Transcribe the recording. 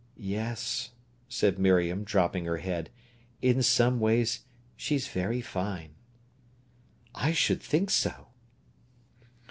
"Yes," said Miriam, dropping her head; "in some ways she's very fine." "I should think so."